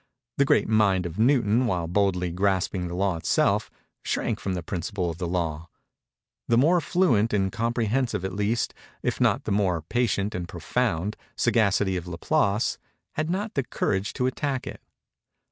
The great mind of Newton, while boldly grasping the Law itself, shrank from the principle of the Law. The more fluent and comprehensive at least, if not the more patient and profound, sagacity of Laplace, had not the courage to attack it.